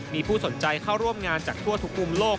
มีผู้สนใจเข้าร่วมงานจากทั่วทุกมุมโลก